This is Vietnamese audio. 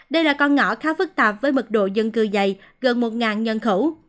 đây là con ngõ khá phức tạp với mật độ dân cư dày gần một nhân khẩu